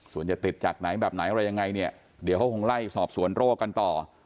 ส่วนจะติดจากไหนแบบไหนอะไรยังไงเนี่ยเดี๋ยวเขาคงไล่สอบสวนโรคกันต่อ